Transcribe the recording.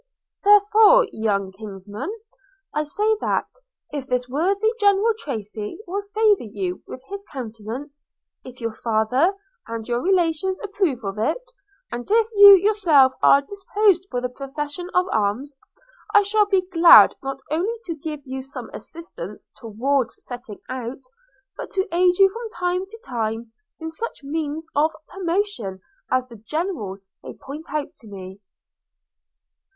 – 'Therefore, young kinsman, I say that, if this worthy General Tracy will favour you with his countenance, if your father and your relations approve of it, and if you yourself are disposed for the profession of arms, I shall be glad not only to give you some assistance towards setting out, but to aid you from time to time in such means of promotion as the General may point out to me.'